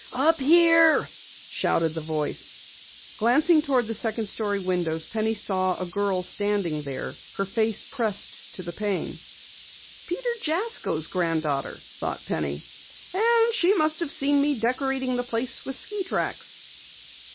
"Up here!" shouted the voice. Glancing toward the second story windows, Penny saw a girl standing there, her face pressed to the pane. "Peter Jasko's granddaughter!" thought Penny. "And she must have seen me decorating the place with ski tracks."